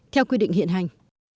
theo quy định hiện hành